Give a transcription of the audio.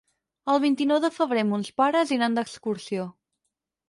El vint-i-nou de febrer mons pares iran d'excursió.